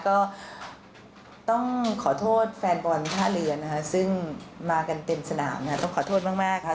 ก็ต้องขอโทษแฟนบอลท่าเรือนะคะซึ่งมากันเต็มสนามต้องขอโทษมากค่ะ